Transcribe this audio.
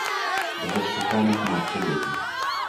Josef Suchánek má tři děti.